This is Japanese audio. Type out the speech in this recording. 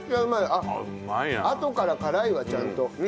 あとから辛いわちゃんと。